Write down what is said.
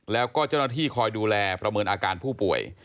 แล้วก็เจ้าหน้าที่คอยดูแลประเมินอาการผู้ป่วย